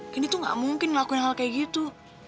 gini tuh gak mungkin ngelakuin hal kayak gitu